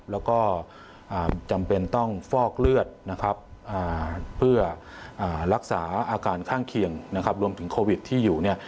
แล้วก็จำเป็นต้องฟอกเลือดเพื่อรักษาอาการข้างเคียงรวมถึงโควิดที่อยู่